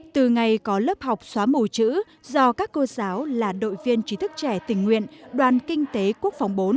từ ngày có lớp học xóa mù chữ do các cô giáo là đội viên trí thức trẻ tình nguyện đoàn kinh tế quốc phòng bốn